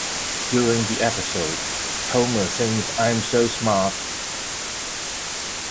During the episode, Homer sings I am so smart!